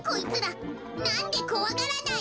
なんでこわがらないの？